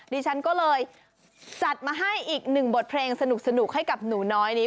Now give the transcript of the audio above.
ดิฉันก็เลยจัดมาให้อีกหนึ่งบทเพลงสนุกให้กับหนูน้อยนี้